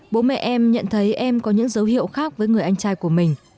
hôm nay bố mẹ em nhận thấy em có những dấu hiệu khác với người anh trai của mình